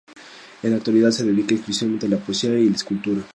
En la actualidad se dedica exclusivamente a la poesía y la escultura.